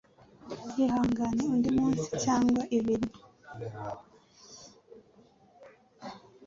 Ihangane undi munsi cyangwa ibiri.